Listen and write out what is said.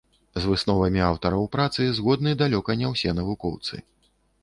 З высновамі аўтараў працы згодны далёка не ўсе навукоўцы.